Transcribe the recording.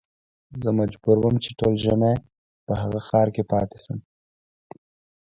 زه مجبور وم چې ټول ژمی په هغه ښار کې پاته شم.